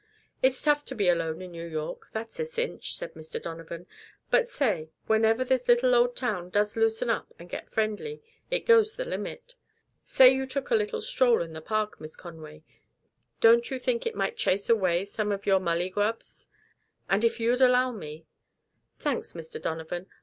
"It's tough to be alone in New York that's a cinch," said Mr. Donovan. "But, say whenever this little old town does loosen up and get friendly it goes the limit. Say you took a little stroll in the park, Miss Conway don't you think it might chase away some of your mullygrubs? And if you'd allow me " "Thanks, Mr. Donovan.